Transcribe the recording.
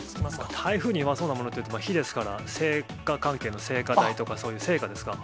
台風に弱そうなものというと、火ですから、聖火関係の聖火台とか、そういう聖火ですか？